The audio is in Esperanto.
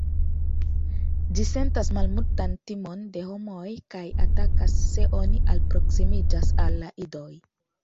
Ĝi sentas malmultan timon de homoj, kaj atakas se oni alproksimiĝas al la idoj.